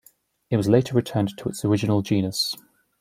It was later returned to its original genus.